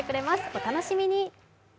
お楽しみに。